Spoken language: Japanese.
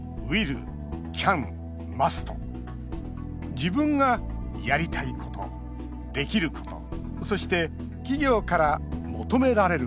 自分がやりたいこと、できることそして企業から求められること。